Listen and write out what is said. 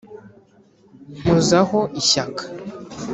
Mpozaho ishyaka